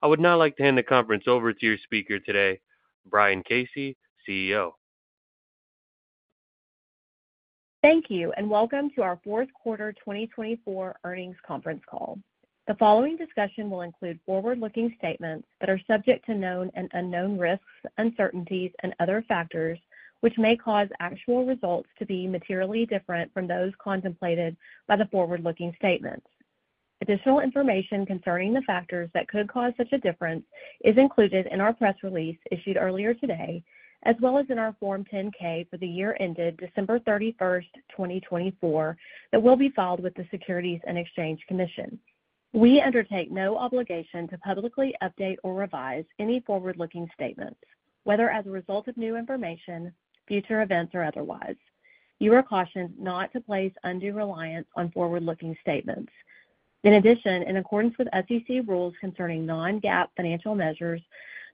I would now like to hand the conference over to your speaker today, Brian Casey, CEO. Thank you, and welcome to our Fourth Quarter 2024 Earnings Conference Call. The following discussion will include forward-looking statements that are subject to known and unknown risks, uncertainties, and other factors which may cause actual results to be materially different from those contemplated by the forward-looking statements. Additional information concerning the factors that could cause such a difference is included in our press release issued earlier today, as well as in our Form 10-K for the year ended December 31, 2024, that will be filed with the Securities and Exchange Commission. We undertake no obligation to publicly update or revise any forward-looking statements, whether as a result of new information, future events, or otherwise. You are cautioned not to place undue reliance on forward-looking statements. In addition, in accordance with SEC rules concerning non-GAAP financial measures,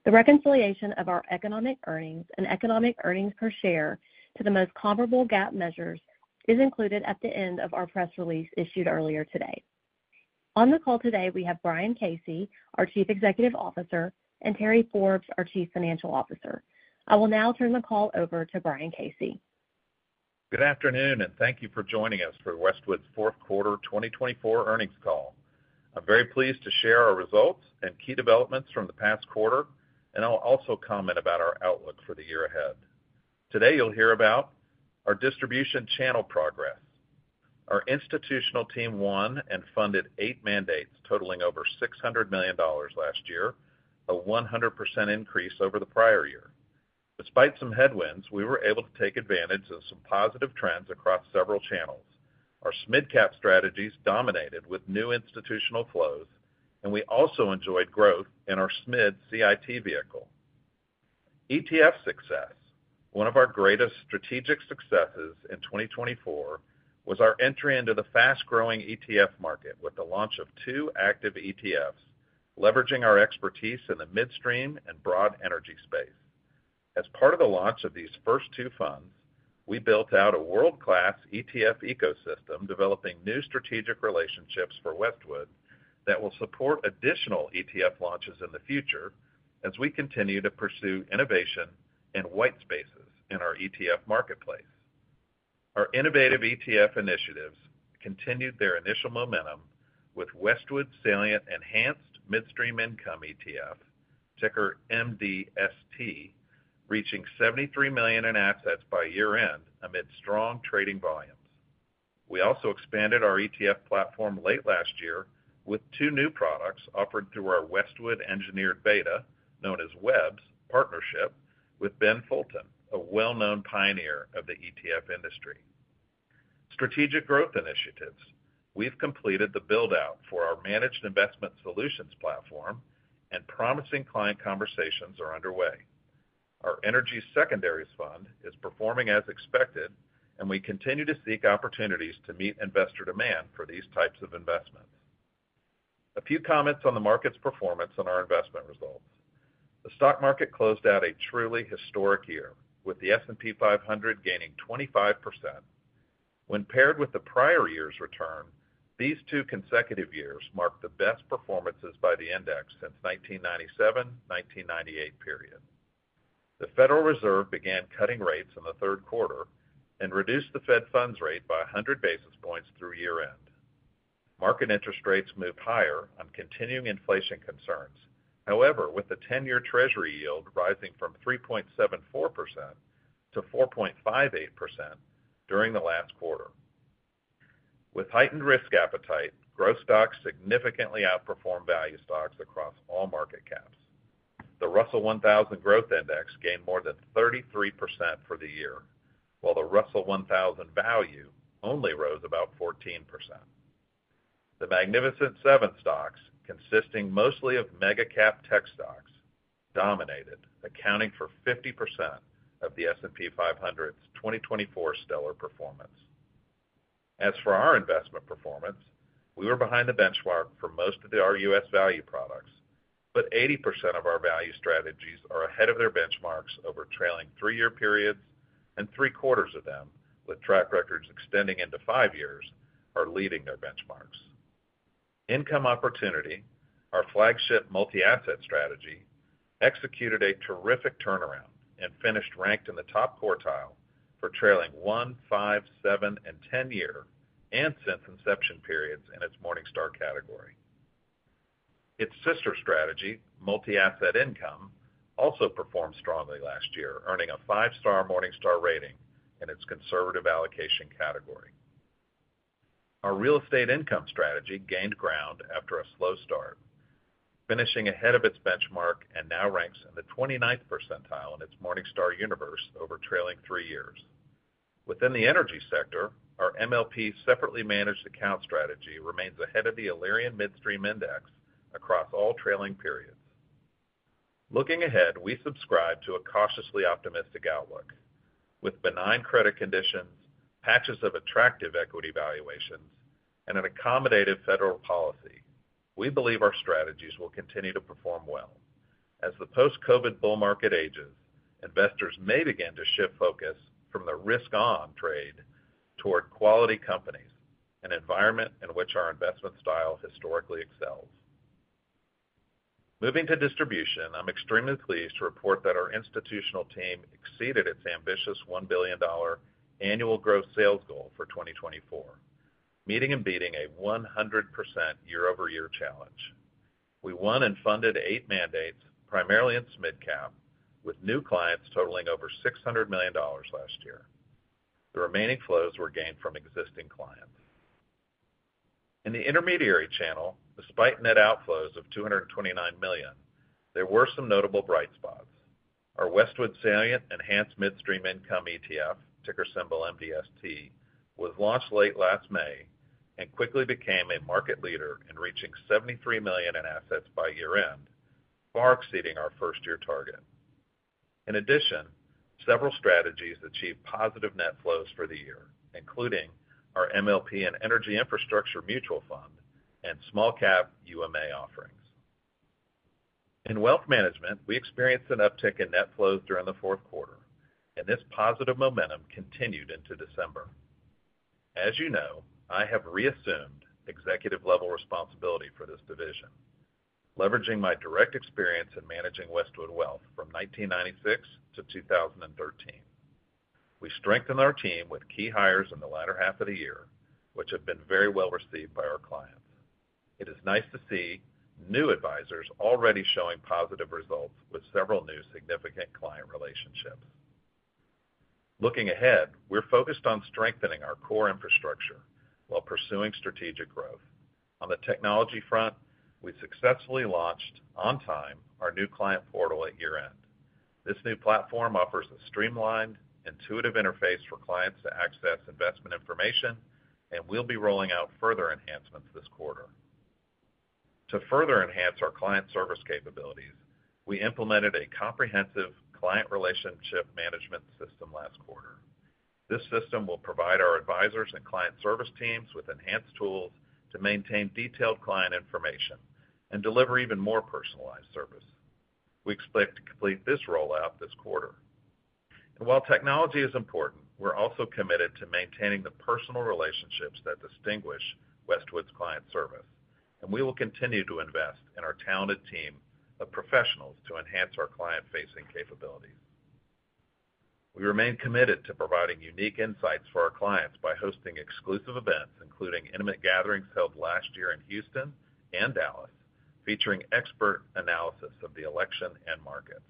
the reconciliation of our economic earnings and economic earnings per share to the most comparable GAAP measures is included at the end of our press release issued earlier today. On the call today, we have Brian Casey, our Chief Executive Officer, and Terry Forbes, our Chief Financial Officer. I will now turn the call over to Brian Casey. Good afternoon, and thank you for joining us for Westwood's fourth quarter 2024 earnings call. I'm very pleased to share our results and key developments from the past quarter, and I'll also comment about our outlook for the year ahead. Today, you'll hear about our distribution channel progress. Our institutional team won and funded eight mandates totaling over $600 million last year, a 100% increase over the prior year. Despite some headwinds, we were able to take advantage of some positive trends across several channels. Our SMID Cap strategies dominated with new institutional flows, and we also enjoyed growth in our SMID CIT vehicle. ETF success: one of our greatest strategic successes in 2024 was our entry into the fast-growing ETF market with the launch of two active ETFs, leveraging our expertise in the midstream and broad energy space. As part of the launch of these first two funds, we built out a world-class ETF ecosystem developing new strategic relationships for Westwood that will support additional ETF launches in the future as we continue to pursue innovation and white spaces in our ETF marketplace. Our innovative ETF initiatives continued their initial momentum with Westwood's Salient Enhanced Midstream Income ETF, ticker MDST, reaching $73 million in assets by year-end amid strong trading volumes. We also expanded our ETF platform late last year with two new products offered through our Westwood Engineered Beta, known as WEBs, partnership with Ben Fulton, a well-known pioneer of the ETF industry. Strategic growth initiatives: we've completed the build-out for our Managed Investment Solutions platform, and promising client conversations are underway. Our Energy Secondaries Fund is performing as expected, and we continue to seek opportunities to meet investor demand for these types of investments. A few comments on the market's performance and our investment results: the stock market closed out a truly historic year, with the S&P 500 gaining 25%. When paired with the prior year's return, these two consecutive years marked the best performances by the index since the 1997-1998 period. The Federal Reserve began cutting rates in the third quarter and reduced the federal funds rate by 100 basis points through year-end. Market interest rates moved higher on continuing inflation concerns, however, with the 10-year Treasury yield rising from 3.74%-4.58% during the last quarter. With heightened risk appetite, growth stocks significantly outperformed value stocks across all market caps. The Russell 1000 Growth Index gained more than 33% for the year, while the Russell 1000 Value only rose about 14%. The Magnificent Seven stocks, consisting mostly of mega-cap tech stocks, dominated, accounting for 50% of the S&P 500's 2024 stellar performance. As for our investment performance, we were behind the benchmark for most of our U.S. value products, but 80% of our value strategies are ahead of their benchmarks over trailing three-year periods, and three-quarters of them, with track records extending into five years, are leading their benchmarks. Income Opportunity, our flagship multi-asset strategy, executed a terrific turnaround and finished ranked in the top quartile for trailing one, five, seven, and ten-year and since inception periods in its Morningstar category. Its sister strategy, Multi-Asset Income, also performed strongly last year, earning a five-star Morningstar rating in its Conservative Allocation category. Our Real Estate Income strategy gained ground after a slow start, finishing ahead of its benchmark and now ranks in the 29th percentile in its Morningstar universe over trailing three years. Within the energy sector, our MLP Separately Managed Account strategy remains ahead of the Alerian Midstream Index across all trailing periods. Looking ahead, we subscribe to a cautiously optimistic outlook. With benign credit conditions, patches of attractive equity valuations, and an accommodative Federal Reserve policy, we believe our strategies will continue to perform well. As the post-COVID bull market ages, investors may begin to shift focus from the risk-on trade toward quality companies, an environment in which our investment style historically excels. Moving to distribution, I'm extremely pleased to report that our institutional team exceeded its ambitious $1 billion annual gross sales goal for 2024, meeting and beating a 100% year-over-year challenge. We won and funded eight mandates, primarily in SMID Cap, with new clients totaling over $600 million last year. The remaining flows were gained from existing clients. In the intermediary channel, despite net outflows of $229 million, there were some notable bright spots. Our Westwood Salient Enhanced Midstream Income ETF, ticker symbol MDST, was launched late last May and quickly became a market leader in reaching $73 million in assets by year-end, far exceeding our first-year target. In addition, several strategies achieved positive net flows for the year, including our MLP and Energy Infrastructure Mutual Fund and small-cap UMA offerings. In Wealth Management, we experienced an uptick in net flows during the fourth quarter, and this positive momentum continued into December. As you know, I have reassumed executive-level responsibility for this division, leveraging my direct experience in managing Westwood Wealth from 1996-2013. We strengthened our team with key hires in the latter half of the year, which have been very well received by our clients. It is nice to see new advisors already showing positive results with several new significant client relationships. Looking ahead, we're focused on strengthening our core infrastructure while pursuing strategic growth. On the technology front, we successfully launched, on time, our new client portal at year-end. This new platform offers a streamlined, intuitive interface for clients to access investment information, and we'll be rolling out further enhancements this quarter. To further enhance our client service capabilities, we implemented a comprehensive client relationship management system last quarter. This system will provide our advisors and client service teams with enhanced tools to maintain detailed client information and deliver even more personalized service. We expect to complete this rollout this quarter. While technology is important, we're also committed to maintaining the personal relationships that distinguish Westwood's client service, and we will continue to invest in our talented team of professionals to enhance our client-facing capabilities. We remain committed to providing unique insights for our clients by hosting exclusive events, including intimate gatherings held last year in Houston and Dallas, featuring expert analysis of the election and markets.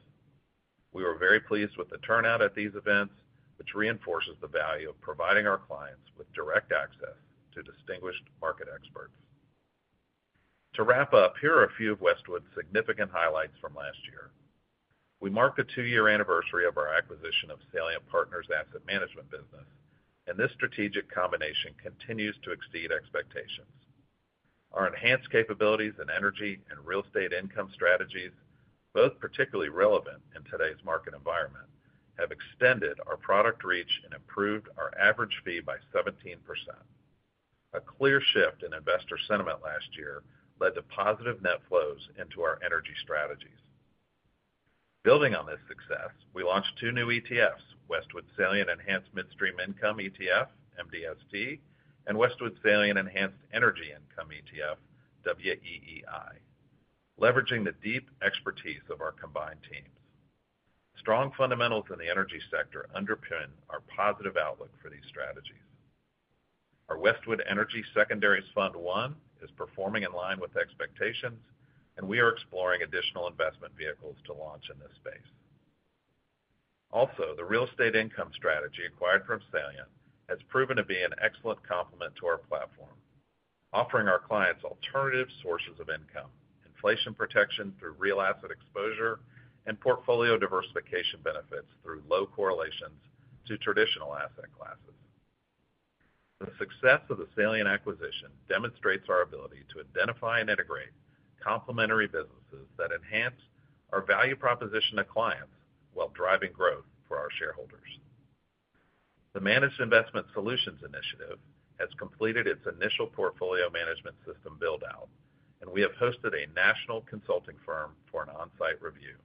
We were very pleased with the turnout at these events, which reinforces the value of providing our clients with direct access to distinguished market experts. To wrap up, here are a few of Westwood's significant highlights from last year. We marked the two-year anniversary of our acquisition of Salient Partners asset management business, and this strategic combination continues to exceed expectations. Our enhanced capabilities in energy and real estate income strategies, both particularly relevant in today's market environment, have extended our product reach and improved our average fee by 17%. A clear shift in investor sentiment last year led to positive net flows into our energy strategies. Building on this success, we launched two new ETFs: Westwood Salient Enhanced Midstream Income ETF, MDST, and Westwood Salient Enhanced Energy Income ETF, WEEI, leveraging the deep expertise of our combined teams. Strong fundamentals in the energy sector underpin our positive outlook for these strategies. Our Westwood Energy Secondaries Fund I is performing in line with expectations, and we are exploring additional investment vehicles to launch in this space. Also, the Real Estate Income strategy acquired from Salient has proven to be an excellent complement to our platform, offering our clients alternative sources of income, inflation protection through real asset exposure, and portfolio diversification benefits through low correlations to traditional asset classes. The success of the Salient acquisition demonstrates our ability to identify and integrate complementary businesses that enhance our value proposition to clients while driving growth for our shareholders. The Managed Investment Solutions initiative has completed its initial portfolio management system build-out, and we have hosted a national consulting firm for an on-site review.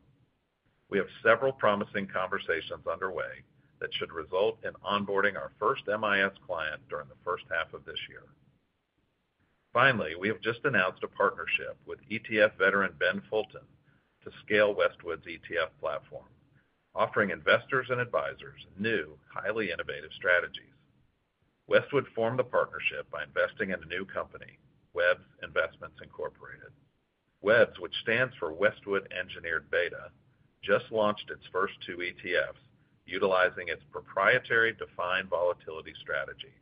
We have several promising conversations underway that should result in onboarding our first MIS client during the first half of this year. Finally, we have just announced a partnership with ETF veteran Ben Fulton to scale Westwood's ETF platform, offering investors and advisors new, highly innovative strategies. Westwood formed the partnership by investing in a new company, WEBs Investments Incorporated.. WEBs, which stands for Westwood Engineered Beta, just launched its first two ETFs utilizing its proprietary defined volatility strategy.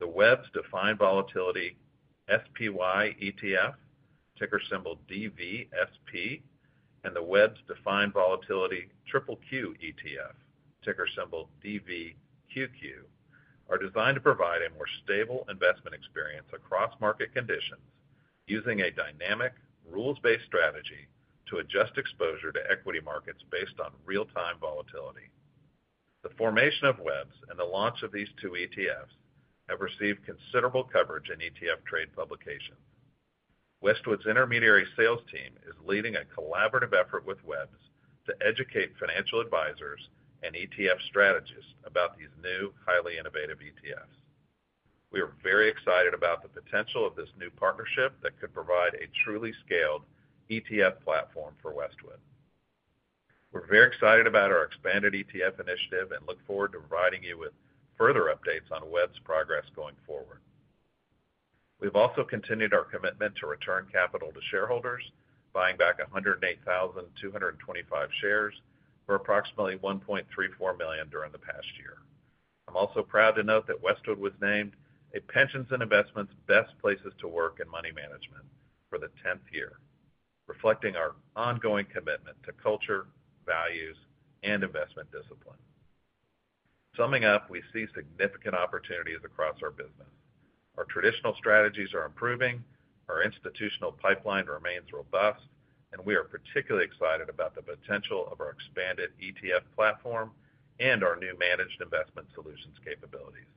The WEBs Defined Volatility SPY ETF, ticker symbol DVSP, and the WEBs Defined Volatility QQQ ETF, ticker symbol DVQQ, are designed to provide a more stable investment experience across market conditions using a dynamic, rules-based strategy to adjust exposure to equity markets based on real-time volatility. The formation of WEBs and the launch of these two ETFs have received considerable coverage in ETF trade publications. Westwood's intermediary sales team is leading a collaborative effort with WEBs to educate financial advisors and ETF strategists about these new, highly innovative ETFs. We are very excited about the potential of this new partnership that could provide a truly scaled ETF platform for Westwood. We're very excited about our expanded ETF initiative and look forward to providing you with further updates on WEBs' progress going forward. We've also continued our commitment to return capital to shareholders, buying back 108,225 shares for approximately $1.34 million during the past year. I'm also proud to note that Westwood was named a Pensions & Investments Best Places to Work in Money Management for the 10th year, reflecting our ongoing commitment to culture, values, and investment discipline. Summing up, we see significant opportunities across our business. Our traditional strategies are improving, our institutional pipeline remains robust, and we are particularly excited about the potential of our expanded ETF platform and our new Managed Investment Solutions capabilities.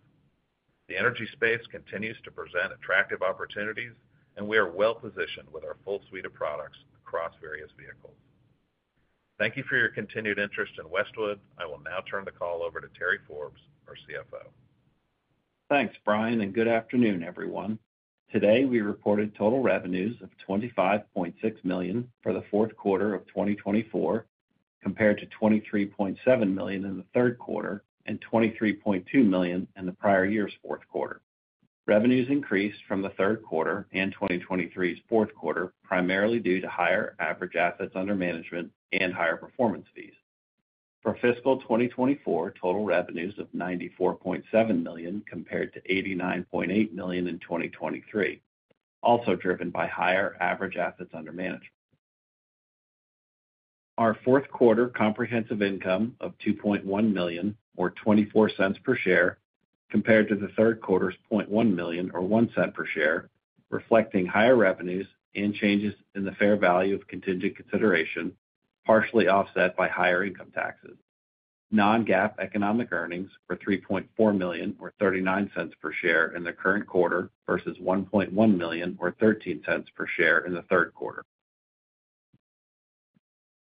The energy space continues to present attractive opportunities, and we are well-positioned with our full suite of products across various vehicles. Thank you for your continued interest in Westwood. I will now turn the call over to Terry Forbes, our CFO. Thanks, Brian, and good afternoon, everyone. Today, we reported total revenues of $25.6 million for the fourth quarter of 2024, compared to $23.7 million in the third quarter and $23.2 million in the prior year's fourth quarter. Revenues increased from the third quarter and 2023's fourth quarter primarily due to higher average assets under management and higher performance fees. For fiscal 2024, total revenues of $94.7 million compared to $89.8 million in 2023, also driven by higher average assets under management. Our fourth quarter comprehensive income of $2.1 million, or $0.24 per share, compared to the third quarter's $0.1 million, or $0.01 per share, reflecting higher revenues and changes in the fair value of contingent consideration, partially offset by higher income taxes. Non-GAAP economic earnings were $3.4 million, or $0.39 per share in the current quarter, versus $1.1 million, or $0.13 per share in the third quarter.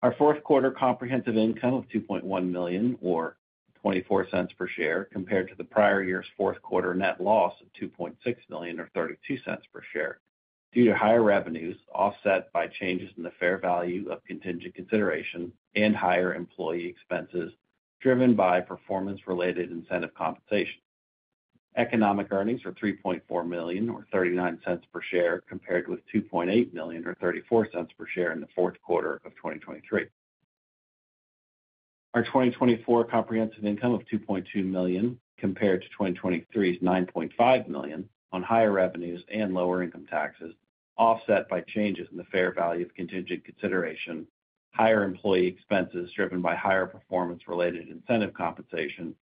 Our fourth quarter comprehensive income was $2.1 million, or $0.24 per share, compared to the prior year's fourth quarter net loss of $2.6 million, or $0.32 per share, due to higher revenues offset by changes in the fair value of contingent consideration and higher employee expenses driven by performance-related incentive compensation. Economic earnings were $3.4 million, or $0.39 per share, compared with $2.8 million, or $0.34 per share in the fourth quarter of 2023. Our 2024 comprehensive income was $2.2 million, compared to 2023's $9.5 million, on higher revenues and lower income taxes, offset by changes in the fair value of contingent consideration, higher employee expenses driven by higher performance-related incentive compensation,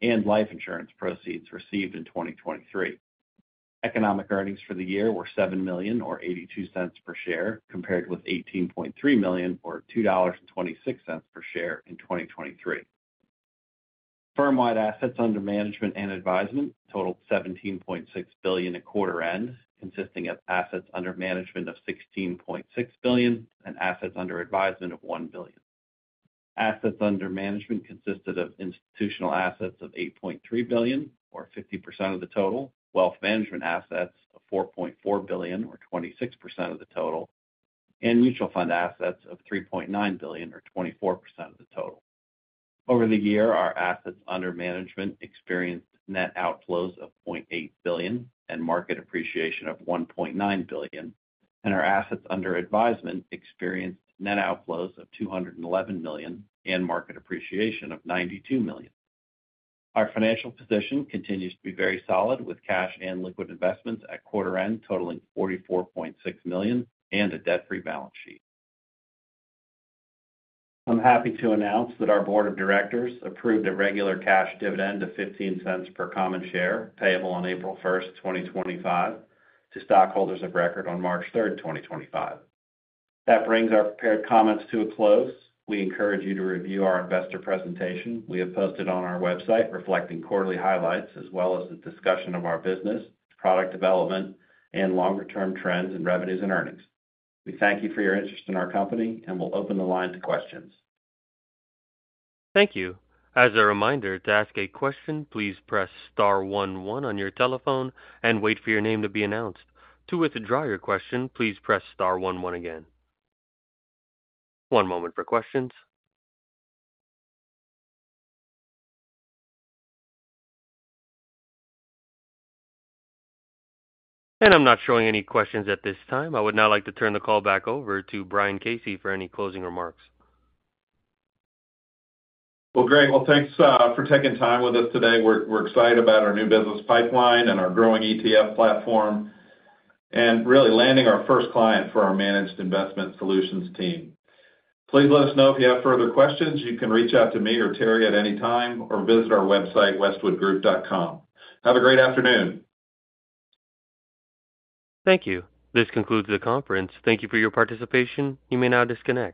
and life insurance proceeds received in 2023. Economic earnings for the year were $7 million, or $0.82 per share, compared with $18.3 million, or $2.26 per share in 2023. Firm-wide assets under management and advisement totaled $17.6 billion at quarter-end, consisting of assets under management of $16.6 billion and assets under advisement of $1 billion. Assets under management consisted of institutional assets of $8.3 billion, or 50% of the total, wealth management assets of $4.4 billion, or 26% of the total, and mutual fund assets of $3.9 billion, or 24% of the total. Over the year, our assets under management experienced net outflows of $0.8 billion and market appreciation of $1.9 billion, and our assets under advisement experienced net outflows of $211 million and market appreciation of $92 million. Our financial position continues to be very solid, with cash and liquid investments at quarter-end totaling $44.6 million and a debt-free balance sheet. I'm happy to announce that our board of directors approved a regular cash dividend of $0.15 per common share, payable on April 1, 2025, to stockholders of record on March 3, 2025. That brings our prepared comments to a close. We encourage you to review our investor presentation we have posted on our website, reflecting quarterly highlights as well as the discussion of our business, product development, and longer-term trends in revenues and earnings. We thank you for your interest in our company and will open the line to questions. Thank you. As a reminder, to ask a question, please press star one one on your telephone and wait for your name to be announced. To withdraw your question, please press star one one again. One moment for questions. I'm not showing any questions at this time. I would now like to turn the call back over to Brian Casey for any closing remarks. Great. Thanks for taking time with us today. We're excited about our new business pipeline and our growing ETF platform and really landing our first client for our managed investment solutions team. Please let us know if you have further questions. You can reach out to me or Terry at any time or visit our website, westwoodgroup.com. Have a great afternoon. Thank you. This concludes the conference. Thank you for your participation. You may now disconnect.